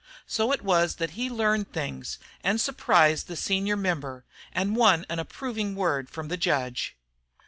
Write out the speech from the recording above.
So it was that he learned things, and surprised the senior member, and won an approving word from the judge.